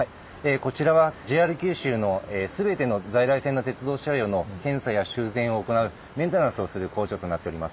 こちらはＪＲ九州の全ての在来線の鉄道車両の検査や修繕を行うメンテナンスをする工場となっております。